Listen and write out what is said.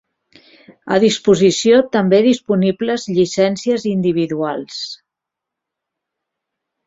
A disposició també disponibles llicències individuals.